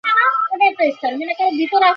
দীর্ঘদেহী, আকর্ষনীয় শারীরিক গড়ন ছিল তার।